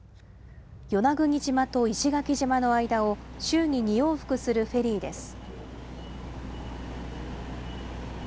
与那国島と石垣島の間を、週に２往復するフェリーです。